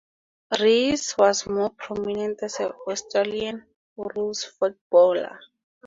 Rees was more prominent as an Australian rules footballer.